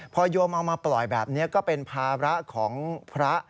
พอโยมเอามาปล่อยแบบนี้ก็เป็นภาระของพระ